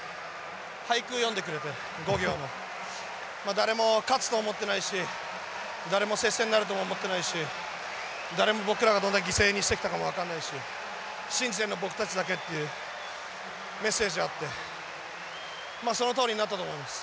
誰も勝つと思ってないし誰も接戦になるとも思ってないし誰も僕らがどれだけ犠牲にしてきたかも分かんないし信じているのは僕たちだけというメッセージがあってそのとおりになったと思います。